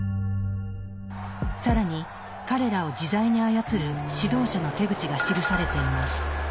更に彼らを自在に操る指導者の手口が記されています。